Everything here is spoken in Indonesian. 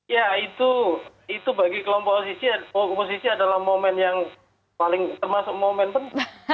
ya itu bagi kelompok oposisi bahwa oposisi adalah momen yang paling termasuk momen penting